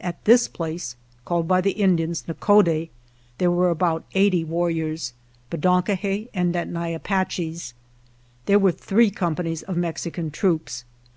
At this place, called by the Indians " Nokode," there were about eighty warriors, Bedonkohe and Nedni Apaches. There were three com panies of Mexican troops.